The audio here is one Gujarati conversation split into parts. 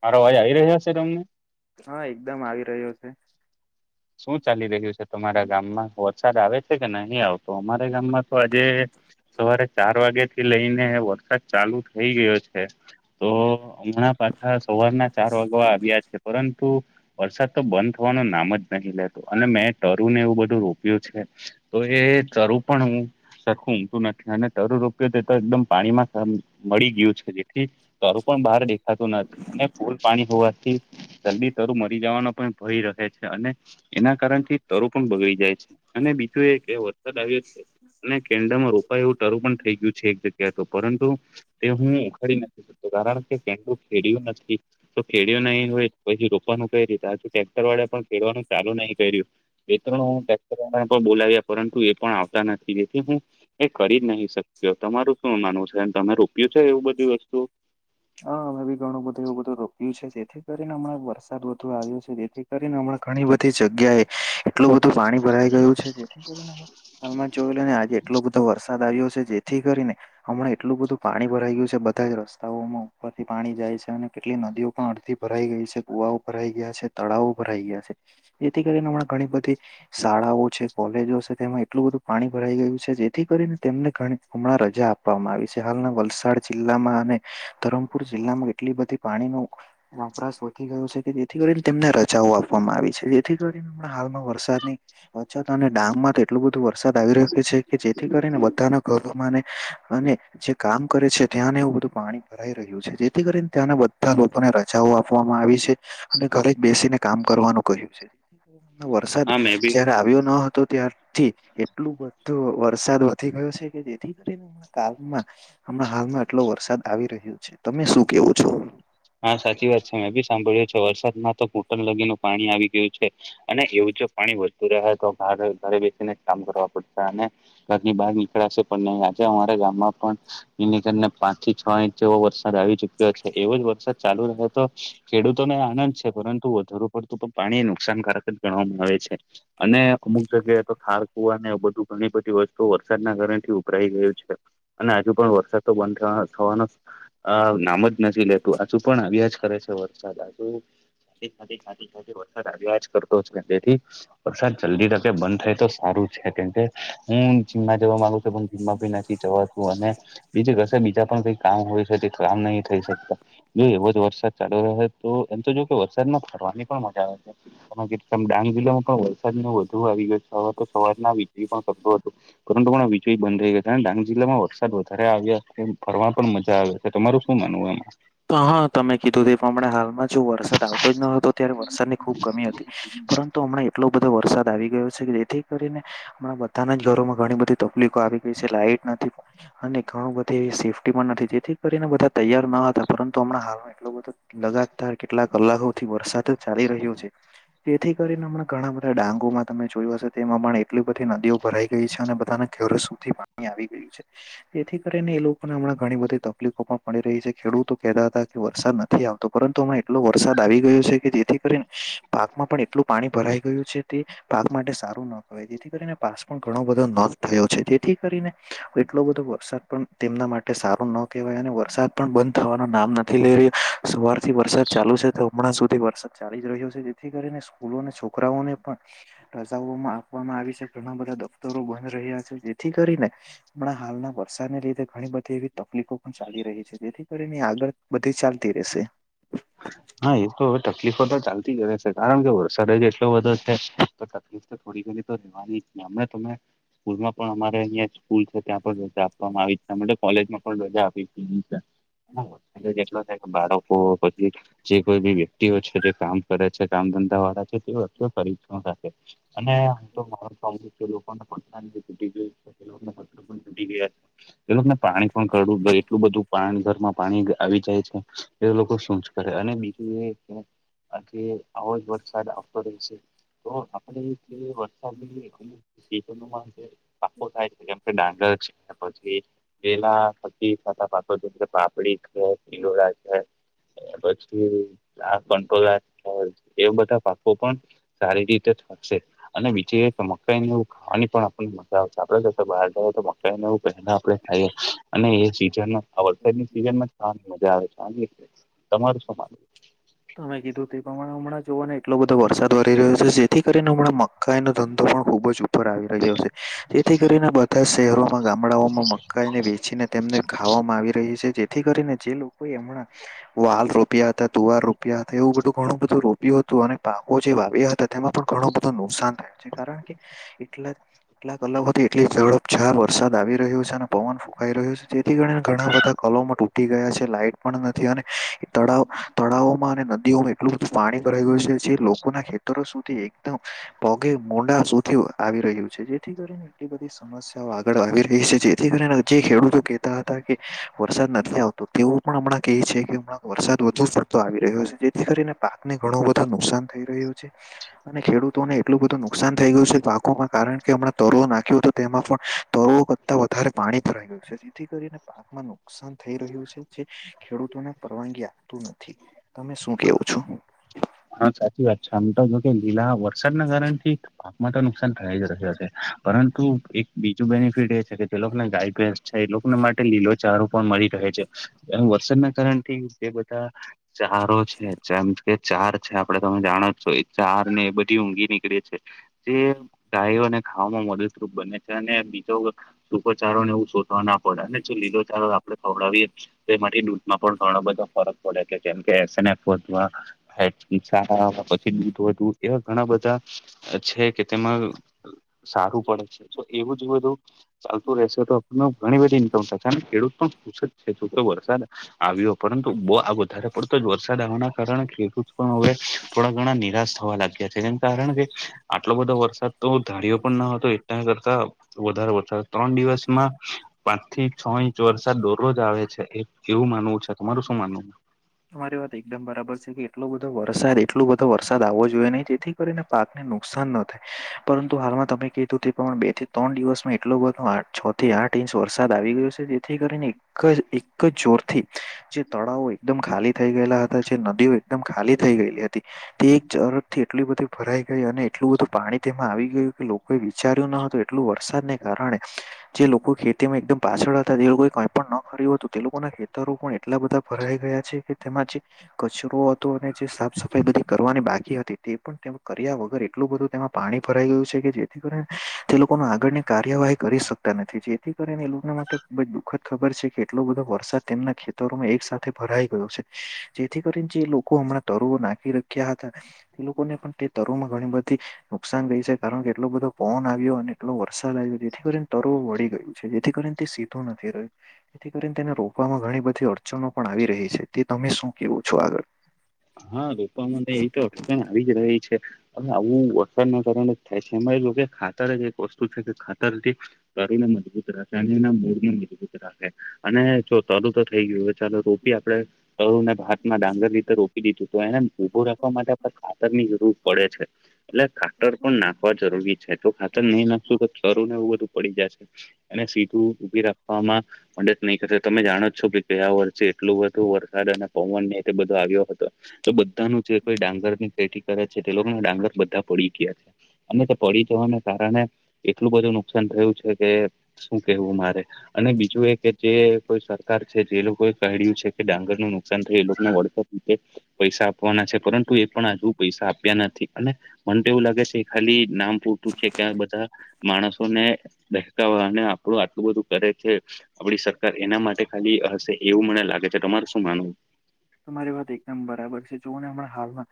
માાર અવાજ આવી રહ્યા છે તમને હા એકદમ આવી રહ્યો છે શું ચાલી રહ્યું છે તમારા ગામમાં હો સા આવે છે કે નહી આવત અમારે ગામમાં તો આજે સવારે ચાર વાગ્યા થી લઈને વરસાદ ચાલુ થઈ ગયો છે તો હમણાં પાછા સવારના ચાર વાગવા આવ્યા છે પરંતુ વરસાદ તો બંધ થવાનું નામ જ નહી લેતું અને મેં તરુને એવું બધું રોપ્યું છે તો એ તરુ પણ હ સરખું ઊમતું નથી અને તરુ રોપ્યો તે તો એકદમ પાણીમાં મળી ગયું છે જેટલી દારું પણ બહાર દેખાતું નથી અને પૂલ પાણી હોવાથી જલ્દી તરું મરી જવાનો પણ ભય રહે છે અને એના કારણ થી તરુ પણ બગડીી જાય છે અને બીજું એ વરસાદ આવ્યો છે અને કેન્ડામાં રોપા એવું ટરું પણ થઈ ગયું છે એક જગ્યાએ તો પરંતુ તે હું ઉખાડી નથી શકતો કારણ કે પંડું ખેડ્યું નથી તો ખેડ્યો ન હોય પછી રોપવાનું કઈ રીતે આજ ટેક્ટર વાળે પણ ખેડવાનું ચાલુ નહીં બે ત્રણ ટેક્ટર વાલા ને પણ બોલાવ્યા પરંતુ એ પણ આવતા નથી જેથી હું એ કરી નહી શક્યો તમારું શું માનવું છે તમે રોપ્યું છે એવું બધી વસ્તુ હા અમે બી ઘણું બધું એવું બધું રોક્યું છે તેથી થી કરીને હમણાં વરસાદ વધતો આવ્યો છે જેથી કરીને હમણાં ઘણી બધી જગ્યાએ એટલું બધું પાણી ભરાઈ ગયું છે જેથી હાલમાં જોય લે ને આજે એટલો બધો વરસાદ આવ્યો છે જેથી કરીને હમણાં એટલું બધું પાણી ભરાઈ ગયું છે બધા જ રસ્તાઓમાં ઉપરથી પાણી જાય છે અને કેટલી નદીઓ પણ અડધી ભરાઈ ગઈ છે કુવાઓ ભરાઈ ગયા છે તળાવ ભરાઈ ગયા છે જેથી કરીને હમણાં ઘણી બધી શાળાઓ છે કોલેજો છે તેમાં એટલું બધું પાણી ભરાઈ ગયું છે જેથી કરીને તેમને ઘણી હમણાં રજા આપવામાં આવી છે હાલના વલસાડ જિલ્લામાં અને ધરમ પુર જિલ્લામાં કેટલી બધી પાણીનું વપરાશી ગયો છે કે જેથી કરીને તેમને રજાઓ આપવામાં આવી છે જેથી કરીને હાલમાં વરસાદની અછત અને ડાંગ માં તો એટલું બધું વરસાદ આવી રહ્યો છે કે જેથી કરીને બધાના ઘરોમાંને અને જે કામ કરે છે ત્યાં ને એવું બધું પાણી ભરાય રહ્યું છે જેથી કરીને ત્યાંને બધા લોકોને રજાઓ આપવામાં આવી છે અને ઘરે જ બેસીને કામ કરવાનું કહ્યું છે વરસાદ હા મેં બી જયારે આવ્યો ન હતો ત્યાર થી એટલો બધો વરસાદ વધી ગયો છે કે જેથી કરીને કાલમાં હમણાં હાલમાં આટલો વરસાદ આવી રહ્યો છે તમે શું કેવો છો હા સાચી વાત છે મેં ભી સાંભળ્યું છે વરસાદમાં તો ઘુટણ લગીનું પાણી આવી ગયું છે અને એવું જો પાણી વધતું રહે તો ઘરે બેસીને જ કામ કરવા પડશે અને ઘર ની બહાર નીકળાશે પણ નહી આજે અમારા ગામમાં પણ એર ને પાંચ થી છ ઇંચ જેવો વરસાદ આવી ચુક્યો છે એવો જ વરસાદ ચાલુ રહે તો ખેડૂતોને આનંદ છે પરંતુ વધુ પડતું પણ પાણી નુકસાનકારક જ ગણવામાં આવે છે અને અમુક જગ્યાએ તો ખાડ અને બધું ઘણી બધી વસ્તુ વરસાદના કારણે થી ઉભરાઈ ગયું છે અને હજુ પણ વરસાદ તો બંધ થવાનો નામ જ નથી લેતો હજુ પણ આવ્યા જ કરે છે વરસાદજુ વરસાદ આજ્યાજ કરતો તેથી વરસાદ જલ્દી તકે બંધ થાય તો સારું છે કેમકે હું જીમમાં જવા માંગુ છું પણ જીમમાં ભી નથી જવાતું અને બીજું કશે બીજા પણ કઈ કામ હોય છે તે કામ નહી થઈ શકતા જો એવો જ વરસાદ ચાલુ રહે તો એમ તો જો કે વરસાદમાં ફરવાની પણ મજા આવે છે મ ડાંગ જિલ્લામાં પણ વરસાદ ન વધુ આવી ગયો છે હવે તો સવારના વીજળી પણ પતો પરંતુ પણ વિજય બંધ થઈ ગયો ડાંગ જિલ્લામાં વરસાદ વધારે આવ્યા ફરવા પણ મજા આવે છે તમારું શું માનવું એમાં હા તમે કીધું તે એ પ્રમાણે હાલમાં જો વરસાદ આવતો જ ન હતો ત્યારે વરસાદની ખૂબ કમી હતી પરંતુ હમણાં એટલો બધો વરસાદ આવી ગયો છે જેથી કરીને હમણાં બધાના જ ઘરોમાં ઘણી બધી તકલીફો આવી ગઈ છે લાઈટ નથી અને ઘણું બધી સેફ્ટી પણ નથી તેથી કરીને બધા તૈયાર ના હતા પરંતુ હમણાં હાલમાં એટલું બધો લગાતાર કેટલા કલાકોથી વરસાદ ચાલી રહ્યું છે જેથી કરીને પણ ઘણા બધા ડાંગોમાં તમે જોયો હશે તેમાં પણ એટલી બધી નદીઓ ભરાઈ ગઈ છે અને બધાને ઘેર સુધી પાણી આવી ગયું છે તેથી કરીને એ લોકો પણ હમણાં ઘણી બધી તકલીફો પણ પડી રહી છે ખેડૂતો કેતા હતા કે વરસાદ નથી આવતો પરંતુ આમાં એટલો વરસાદ આવી ગયો છે કે જેથી કરીને પાકમાં પણ એટલું પાણી ભરાઈ ગયું છે તે પાક માટે સારું ન હવે જેથી કરીને પાક પણ ઘણો બધો નોંધ થયો છે જેથી કરીને એટલો બધો વરસાદ પણ તેમના માટે સારું ન કહેવાય અને વરસાદ પણ બંધ થવાનું નામ નથી લઈ રહ્યો સવાર થી વરસાદ ચાલુ છે તો હમણાં સુધી વરસાદ ચાલી જ રહ્યો છે જેથી કરીને સ્કૂલો અને છોકરાઓને પણ રજાઓમાં આપવામાં આવી છે ઘણા બધા દફતરો બંધ રહ્યા છે જેથી કરીને પણણા હાલના વરસાદને લીધે ઘણી બધી એવી તકલીફો પણ ચાલી રહી છે જેથી કરી આગળ બધી ચાલતી રહેશે હા એ તો હવે તકલીફો તો ચાલતી જ રહેશે કારણ કે વરસાદ જ એટલો બધો છે તો થોડી ઘણી તો રહેવાની અમે તમે સ્કૂલમાં પણ અમારે અહિયાં સ્કૂલ છે ત્યાં પણ રજા આપવામાં આવી કોલેજમાં પણ રજા [inaudible] પછી જે કોઈ બી વ્યક્તિઓ છે જે કામ કરે છે કામ ધંધા [unintelligible] [inaudible] [inaudible] એ લોકોને પાણી પણ કરવું એટલું બધું પાણી ઘરમાં પાણી આવી જાય છે એ લોકો શું જ કરે અને બીજું એ કે આ આવો જ વરસાદ આવતો રહે છે તો આપડે વરસાદ [inaudible] [unintelligible] એ પછી આ કંટોલય એ બધા પાકો પણ સારી રીતે થશે અને બીજ એક મકાઈ ને એવ ખાવાની પણ આપને આપડે જો બહાર જ તો મકાઈને એવું પહેલા આપડણે ખાઈએ અને એ સીઝન આ વરસાદની સિઝન માં મજા આવે છે તમારે શું તમે કીધું તે પ્રમાણે હમણાં જોવાને એટલો બધો વરસાદ વરી રહ્યો છે જેથી કરીને હમણાં મકાઈ ન ધંધો પણ ખૂબ જ ઉપર આવી રહ્યો છે તેથી કરીને બધા જ શહેરોમાં ગામડાઓમાં મકાઈને વેચીને તેમને ખાવામાં આવી રહી છે જેથી કરીને જે લોકો હમણાં વાલ રોપ્યા હતા તુવાર રોપ્યા હતા એવું બધું ઘણું બધું રો યું હતું અને પાકો જે વાવ્યા હતા તેમાં પણ ઘણું બધું નુકસાન થાય છે કારણ કે એટલા એટલાક અલગથી એટલી ઝ ચાર વરસાદ આવી રહ્યો છે અને પવન ફૂંકાઈ રહ્યું છે તેથી કરી ઘણા બધા કલોમ તટી ગયા છે લાઈટ પણ નથી અને તળાવ તળાવોમાં નદીઓમાં એટલું બધું પાણી ભરાઈ ગયું છે જે લોકોના ખેતરો સુધી એકદમ પગે મોડા આવી રહ્યું છે જેથી કરીને એટલી બધી સમ સમસ્યાઓ આગળ આવી રહી છે જેથી કરીને જે ખેડૂતો કહેતા હતા કે વરસાદ નથી આવતો તેવું પણ હમણાં ક છે કે હમં વરસાદ વધુ પડતો આવ રહ્યો જેથી કરીને પાકને ઘણું બધું નુકસાન થઈ રહ્યું છે અને ખેડૂતોને એટલું બધું નુકસાન થઈ ગયું છે પાકોમાં કારણ કે હમણા તરવો નાખ્યો હતો તેમાં પણ તરવો વધારે પાણી ભરાઈ ગયું છે જેથી કરીને પાકમાં નુકસાન થઈ રહ્યું છે જે ખેડૂતોને પરવાનગી આપતું નથી તમે શું કેવો છો હા સાચી વાત છે આમ તો જો કે લીલા વરસાદના કારણથી પાકમાં તો નુકસાન થાય જ રહ છે પરંતુ એક બીજું બેનિફિટ એ છે કે જે લોકોને ગાયેસ છે એ લોકોને માટે લીલો ચારું પણ મળી રહે છે એ વરસાદના કારણ થી જે બધા ચારો છે જેમ કે ચાર છે આપડે તમે જાણો જ છો એ ચાર ને બધી ઊઘી નીકળે છે જે ગાય અને ખાવામાં મદદરૂપ બને અને બીજો ટૂખ ચારો ને એવું શોધવા ના પડે અને જો લીલો ચારો ખવડાવીએ તે માટે દૂધમાં પણ ઘણા બધા ફરક પડે છે જેમકે હ સારા પછી દૂધ વધુ એવા ઘણા બધા છે કે તેમાં સારું પડે છે તો એવું જ બધું ચાલતું રહેશે તો આપણ ઘણી બધી ઇન્કમ થશે ખેડૂત પણ ખુશ જ છેબરસાદ આવ્યો પરંતુ બહુ આ વધારે પડતો જ વરસાદ આવવાના કારણે હવે થોડા ઘણા નિરાશ થવા લાગ્યા છે જે કારણ કે આટલો બધો વરસાદ તો ધાારીિયો પણ ના હતો એટલા કરતા વધારે વધાર ત્રણ દિવસમાં પાંચ થી છ ઇંચ વરસાદ દોરરોજ આવે છે એ કેવું માનવું છે તમારું શું માનવું તમારી વાત એકદમ બરાબર છે કે એટલો બધો વરસાદ એટલો બધો વરસાદ આવવો જોઈએ નહીિ તેથી કરીને પાકને નુકસાન ન થાય પરંતુ હાલમાં તમે કીધું તે પ્રમા બે થી ત્રણ દિવસમાં એટલો બધો આ છ થી આઠ ઇંચ વરસાદ આવી ગયો છે જેથી કરીને એક એક જોરથી જે તળાવો એકદમ ખાલી થઈ ગયેલા હતા જે નદીઓ એકદમ ખાલી થઈ ગયેલી હતી તે એક ઝરફ થી એટલી બધી ભરાઈ ગઈ અને એટલું બધું પાણી તેમાં આવી ગયું કે કોઈ વિચાર્યું ન હતું એટલું વરસાદને કારણે જે લોકો ખેતીમાં એકદમ પાછળ હતા જે લોકો કઈ પણ ન ખર્યું હતું તે લોકોના ખેતરો પણ એટલા બધા ભરાઈ ગયા છે કે તેમાં જે કચરો હતો અને જે સાફ સફાઈ બધી કરવાની બાકી હતી તે પણ કર્યા વગર એટલું બધું તેમાં પાણી ભરાઈ ગયું છે કે જેથી કરીને તે લોકોને આગળની કાર્યવાહી કરી શકતા નથી જેથી કરીને એ લોકોને માટે બ દુઃખદ ખબર છે કે એટલો બધો વરસાદ તેમના ખેતરોમાં એક સાથે ભરાઈ ગયો છે જેથી કરીને જે લોકો હમણાં તરુવો નાખી રાખ્યા હતા એ લોકોને પણ તે તર માં ઘણી બધી નુકસાન ગઈ છે કારણ કે એટલો બધો પન આવ્યો અને એટલો વરસાદ આવ્યો જેથી કરીને તરવ વળી ગયું છે જેથી કરીને તે સીધું નથી, રહ્યું તેથી કરીને તેને રોપવામાં ઘણી બધી અડચનો પણ આવી રહી છે. તે, તમે શું કેવો છો આગળ. હા, રોપમાં એ તો અટકણ આવી જ રહી છે હવે આવું વરસાદના કારણે થાય છે, એમાં એ લોકો ખાતર જ એક વસ્તુ છે કે ખાતર કરોણ, મજબૂત રહશેનના મોૂળમ મજબૂત રહ છે. અને, જો તરું તો થઈ ગયું ચાલો રોપી આપડણે તરુ ને, ભામાં ડાંગર રીતે રોપી દીધું તો એને ઉભો રાખવા માટે, આપણે ખાતર ની જરૂર પડે છે. એટલે, ખાતર પણ નાખવા જરૂરી છે તો ખાતર નહી નાખશું તો ચરું ને એવું બધું પડી જશે અને, સીધું ઉભી રાખવામાં ડ જ નહીં કરશે તમે, જાણો જ છો કે ગયા વર્ષે એટલું બુ વરસાદ અને પવન ને એટલે, બધો આવ્યો હતો તો, બધાનું જે કોઈ ડાંગર ની પેટી કરે છે તે લોકો ના ડાંગર બધા પડી ગયા છે. અને, તે પડી જવાને કારણે એટલું બધું નુકસાન થયું છે, કે શું કેવું મારે અને, બીજું એ કે જે કોઈ સર છે, જે લોકોએ કહ્યું છે, કે ડાંગર નું નુકસાન થાય એ લોકોને વળર પૈસા આપવાના છે પરંતુ એ પણ હજુ પૈસા આપ્યા નથી અને મને તો એવું લાગે છે. ખાલી નામ પૂરતું છે, કેયા બધા માણસો ને, દહેકવા અને આપણું આટલું બધું કરે છે. આપડી સરકાર એના માટે ખાલી હશે એવું મને લાગે છે, તમાર શું માનવું તો મારી વાત એકદમ બરાબર છે, જોઓને હમણાં હાલમાં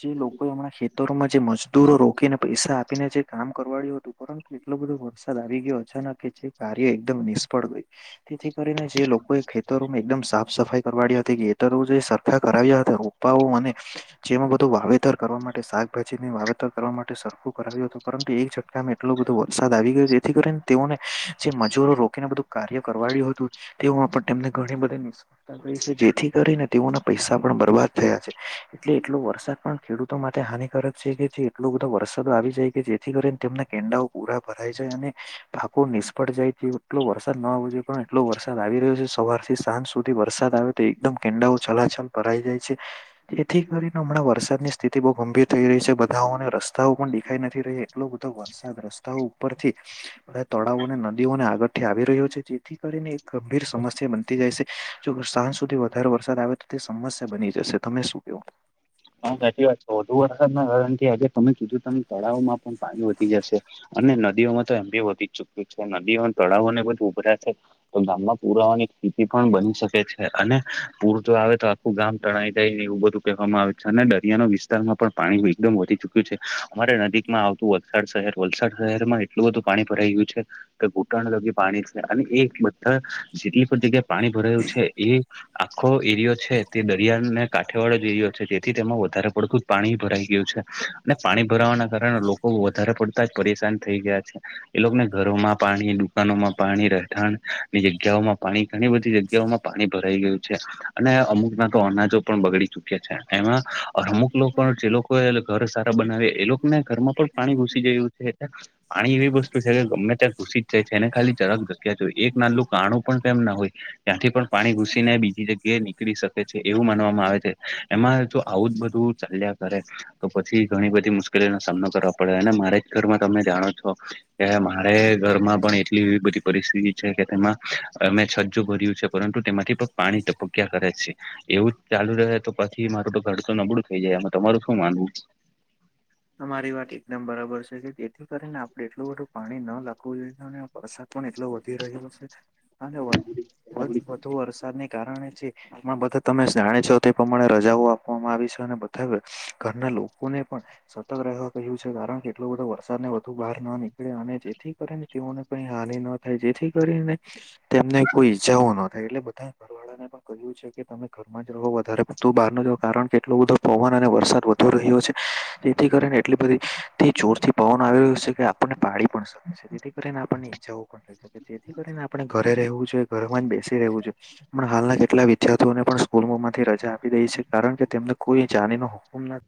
જે, લોકોએ હમણાં ખેતરોમાં જે, મજદૂરો રોકીને પૈસા આપીને જે કામ કરવાડ્યું હતું પરંતુ એટલો બધો વરસાદ આવી ગયો અચાનક એ છે, કાર્ય એકદમ નિષ્ફળ ગય તેથી, કરીને જે લોકોએ ખેતરો એકદમ સાફ સફાઈ કરવાડી હતી ગ ત જે સરખા કરાવ્યા હતા ઉપાઓ અને જેમાં બધું વાવેતર કરવા માટે, શાકભાજીને વાવેતર કરવા માટે સરખું કરાવ્યું હતું. પરંતુ, એક ઝટકામાં એટલો બધો વરસાદ આવી ગયો છે, જેથી કરીને તેઓને જે મજૂરો રોકીને બધું કાર્ય કરવાડ્યું હતું તે પણ તેમને ઘણી બધા જેથી, કરીને તેઓના પૈસા પણ બરબાદ થયા છે, એટલે એટલો વરસાદ પણ ખેડૂતો માટે હાનિકારક છે, કે જે એટલો બધો વરસાદો આવી જાય કે જેથી કરીને તેમના કેંડાઓ પૂરા ભરાય જાય અને પાકો નિષ્ફળ જાય છે, એટલો વરસાદ ન આવવો જોઈએ પણ એટલો વરસાદ આવી રહ્યો છે, સવાર થી સાંજ સુધી વરસાદ આવે તો એકદમ કેંડાઓ છલાછલ ભરાઈ જાય છે. તેથી કરીને હમણાં વરસાદની સ્થિતિ બહુ ગંભીર થઈ રહી છે, બધાઓને રસ્તાઓ પણ દેખાઈ નથી ર્યો એટલો બધો રસ્તાઓ ઉપરથી તળાવોને નદીઓને આગળ થી આવી રહ્યો છે, જેથી કરીને એક ગંભીર સમસ્યા બ જ જો સાંજ સુધી વધારે વરસાદ આવે તો, તે સમસ્યા બની જશે તમે શું કેવો હા, સાચી વાત છે, વધુ વરસાદ ના કારણ કે આજે તમે કીધું તમે તળાવમાં પણ પાણી વધી જશે અને નદીઓમાં તો એમ બી વધી ચુક્યું છે, નદીઓ તળાવો ને બધ ઉભરા છે. તો ગામમાં પુરાવાની સ્થિતિ પણ બની શકે છે, અને પૂર તો આવે તો ગામ તણાયાઈ થાય ને એવું બધું કહેવામાં આવે અને, દરિયાનો વિસ્તાર વિસ્તારમાં પણ, પાણી એકદમ વધી ચયું અમારે નજીકમાં આવતું વલસાડ શહેર વલસાડ શહેરમાં એટલું બધું પાણી ભરાઈ ગયું છે. ઘૂંટણ લગ પાણી છે અને એ બધા જેટલી પણ જગ્યાએ પાણી ભરાયું છે, એ આખો એરિયો છે તે દરિયાને કાંઠેવાળો જ એરિયો છે. તેમાં વધારે પડતું પાણી ભરાઈ ગયું છે, અને પાણી ભરાવાના કારણે લોકો વધારે પ બ જ પરેશાન થઈ ગયા છે, એ લોકોને ઘરોમાં પાણી દુકાનોમાં પાણી રહેઠાણ ની, જગ્યાઓમાં પાણી ઘણી બધી, જગ્યાઓમાં પાણી ભરાઈ ગયું અને, અમુકમાં તો અનાજો પણ બગડી ચુક છે એમાં, અમુક લોકો જે લોકો ઘર સારા બનાવે એ લોકોને ઘરમાં પણ પાણી ઘૂસી જયું છે, પાણી એવી વસ્તુ છે, કે ગમે ત્યાયારે ઘુસી છેને ખાલી જરાક જગ્યા જોયે હો એક નાનું કાણું પણ કેમ ના હોય ત્યાંથી પણ પાણી ઘૂસીને બીજી જગ્યાએ નીકળી શકે છે એવું માનવામાં આવે છે એમાં જો આવું જ બધું ચાલ્યા કરે તો પછી ઘણી બધી મુશ્કેલીઓનો સામનો કરવા પડે અને મારે જ ઘરમાં તમે જાણો છો કે મારે ઘરમાં પણ એટલી એ બધી પરિસ્થિતિ છે કે તેમાં અમે છજ્જું ભર્યું છે પરંતુ તેમાંથી પણ પાણી ટપક્યા કરે છે એવું ચાલુ રહે તો પછી મારું તો ઘર તો નબળું થઈ જાય તમારું શું માનવું તમારી વાત એકદમ બરાબર છે કે જેથી કરીને આપડે એટલું બધું પાણી ન રાખવું જોઈએવરસાદ પણ એટલો વધી રહ્યો છે અને વધુ વરસાદને કારણે જે માં બધા તમે જાણે છો તે પ્રમાણે રજાઓ આપવામાં આવી છે અનેને બધ ઘરના લોકોને પણ સતર્ક રહેવા [inaudible] કારણ કેટલો બધો વરસાદને વધુ બહાર ન નીકળે અને જેથી કરીને તેઓને કઈ હાનિ ન થ જેથી કરીને તેમને કોઈ ઈજાઓ ન થાય એટલે બધા ઘર વાળાને એ કહ્યું છે કે તમે વધારે કાર કેટલો બધો પવન અને વરસાદ વધુ રહ્યો છે કરીને એટલી બધી તે જોરથી પવન આવી રહ્યું છે કે આપણને પાડી પણ શકે તેથી કરીને આપણને ઈચ્છા એવું પણ કે જેથી કરીને આપણે ઘરે રહેવું જોઈએ ઘરમાં જ બેસી રહેવું છે પણ હાલના કેટલા વિદ્યાર્થીઓને પણ સ્કૂલ માંથી રજા આપી દે છે કારણ કે તેમને કોઈ જાની નો હુકમ નથી